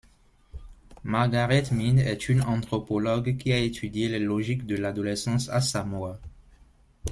Margaret Mead est une anthropologue qui a étudié les logiques de l'adolescence à Samoa.